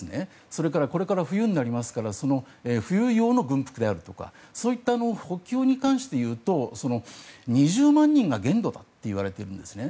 それからこれから冬になりますから冬用の軍服であるとかそういう補給の部分でいうと２０万人が限度だといわれているんですね。